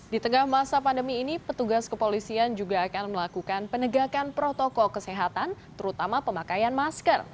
di tengah masa pandemi ini petugas kepolisian juga akan melakukan penegakan protokol kesehatan terutama pemakaian masker